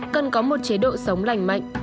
cần có một chế độ sống lành mạnh